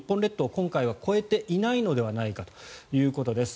今回は越えていないのではないかということです。